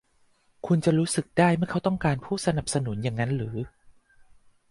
คุณจะรู้สึกได้เมื่อเขาต้องการผู้สนับสนุนอย่างนั้นหรือ ?